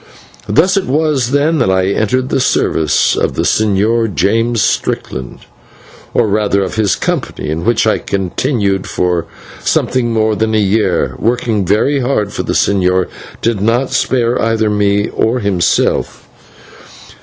Thus it was, then, that I entered the service of the Señor James Strickland, or rather of his company, in which I continued for something more than a year, working very hard, for the señor did not spare either me or himself.